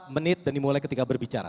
menit dan dimulai ketika berbicara